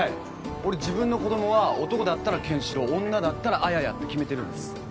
俺自分の子供は男だったらケンシロウ女だったらアヤヤって決めてるんです。